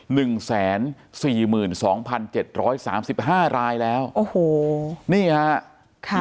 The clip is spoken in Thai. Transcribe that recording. หนึ่งแสนสี่หมื่นสองพันเจ็ดร้อยสามสิบห้ารายแล้วโอ้โหนี่ฮะค่ะ